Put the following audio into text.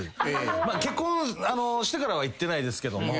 まあ結婚してからは行ってないですけども。